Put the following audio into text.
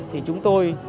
thì chúng tôi